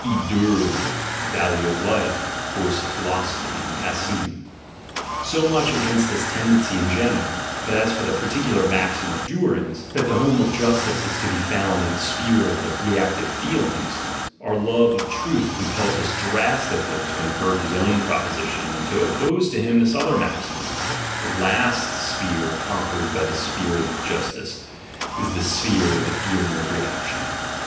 (E. Diihring, Value of Life; Course of Pliiloso pliy, and passim.) So much against this tendency in general: but as for the particular maxim of Duhring's, that the home of Justice is to be found in the sphere of the reactive feelings, our love of truth compels us dras tically to invert his own proposition and to oppose to him "GUILT" AND "BAD CONSCIENCE" 63 this other maxim: the last sphere conquered by the spirit of justice is the sphere of the feeling of reaction!